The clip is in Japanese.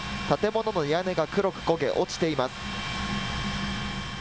建物の屋根が黒く焦げ落ちています。